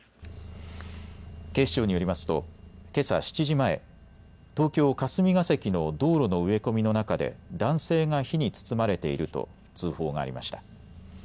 警視庁によりますとけさ７時前、東京霞が関の道路の植え込みの中で男性が火に包まれていると通報がありました。